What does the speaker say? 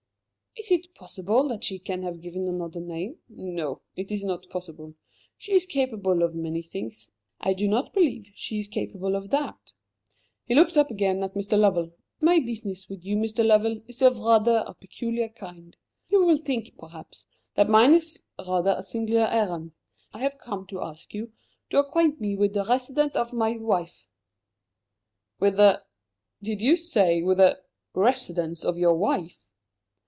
"Is it possible that she can have given another name? No, it is not possible. She is capable of many things. I do not believe she is capable of that." He looked up again at Mr. Lovell. "My business with you, Mr. Lovell, is of rather a peculiar kind. You will think, perhaps, that mine is rather a singular errand. I have come to ask you to acquaint me with the residence of my wife." "With the did you say, with the residence of your wife?"